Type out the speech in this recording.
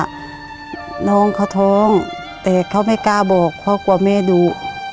น้องเขาท้องแต่เขาไม่กล้าบอกเพราะกลัวแม่ดุ